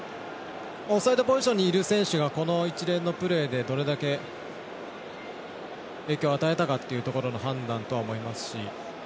オフサイドポジションにいる選手が一連のプレーでどれだけ影響を与えたかというところの判断とは思いますし。